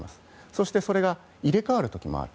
そしてそれが入れ替わる時もある。